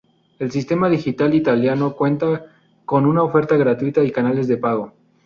El sistema digital italiano cuenta con una oferta gratuita y canales de pago.